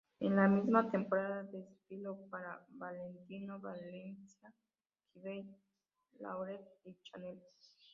En la misma temporada desfiló para Valentino, Balenciaga, Givenchy, Yves Saint Laurent y Chanel.